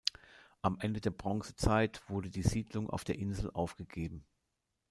Am Ende der Bronzezeit wurde die Siedlung auf der Insel aufgegeben.